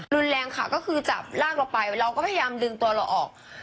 รุนแรงค่ะก็คือจับลากเราไปเราก็พยายามดึงตัวเราออก